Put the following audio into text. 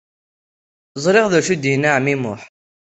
Ẓriɣ d acu i d-yenna ɛemmi Muḥ.